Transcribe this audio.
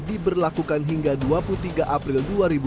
diberlakukan hingga dua puluh tiga april dua ribu dua puluh